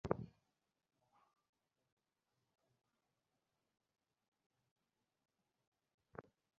তাঁর লাশ ময়নাতদন্তের জন্য ঢাকা মেডিকেল কলেজ হাসপাতালের মর্গে রাখা হয়েছে।